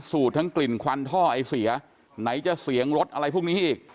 ทั้งกลิ่นควันท่อไอเสียไหนจะเสียงรถอะไรพวกนี้อีก